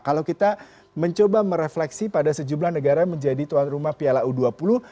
kalau kita mencoba merefleksi pada sejumlah negara menjadi tuan rumah piala u dua puluh